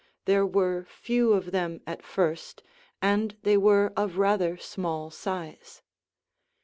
There were few of them at first, and they were of rather small size.